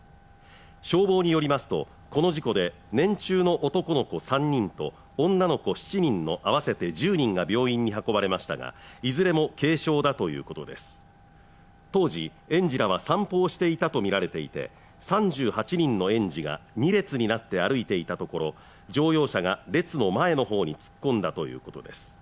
消防によりますとこの事故で年中の男の子３人と女の子７人の合わせて１０人が病院に運ばれましたがいずれも軽傷だということです当時園児らは散歩をしていたと見られていて３８人の園児が２列になって歩いていたところ乗用車が列の前の方に突っ込んだということです